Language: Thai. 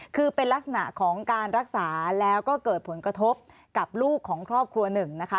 คือเป็นลักษณะของการรักษาแล้วก็เกิดผลกระทบกับลูกของครอบครัวหนึ่งนะคะ